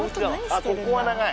あっここは長い。